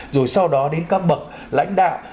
rồi sau đó đến các bậc lãnh đạo